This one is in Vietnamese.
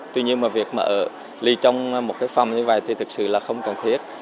tuy nhiên mà việc mà ở ly trong một cái phòng như vậy thì thực sự là không cần thiết